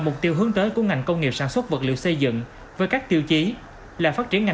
mục tiêu hướng tới của ngành công nghiệp sản xuất vật liệu xây dựng với các tiêu chí là phát triển